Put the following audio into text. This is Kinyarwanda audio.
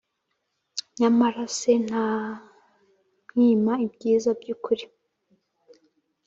nyamara se ntamwima ibyiza by'ukuri.